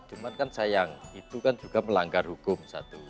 cuman kan sayang itu kan juga melanggar hukum satu